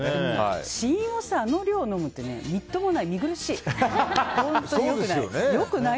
試飲をあの量飲むってみっともない、見苦しい。